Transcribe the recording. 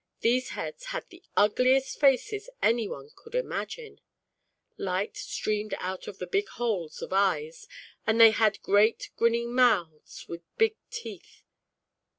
\ These heads had the ugliest faces any one could imagine; light streamed out of the big holes of eyes, and they had great grinning mouths with big teeth.